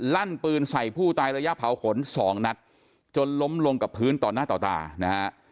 ลั่นปืนใส่ผู้ตายระยะเผาขนสองนัดจนล้มลงกับพื้นต่อหน้าต่อตานะฮะ